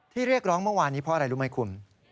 เรียกร้องเมื่อวานนี้เพราะอะไรรู้ไหมคุณ